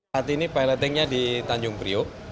saat ini pilotingnya di tanjung priok